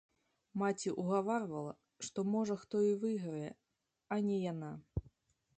Маці ўгаварвала, што, можа, хто і выйграе, а не яна.